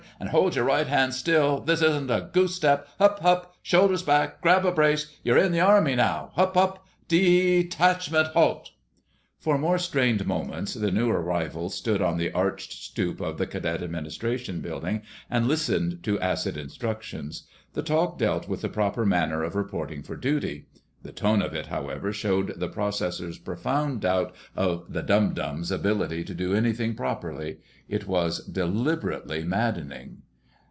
And hold your right hands still—this isn't a goose step. Hup! Hup! Shoulders back—grab a brace—you're in the Army now! Hup! Hup! Dee tachment, halt!" For more strained moments the new arrivals stood on the arched stoop of the Cadet Administration Building and listened to acid instructions. The talk dealt with the proper manner of reporting for duty. The tone of it, however, showed the processor's profound doubt of the "dum dums'" ability to do anything properly. It was deliberately maddening.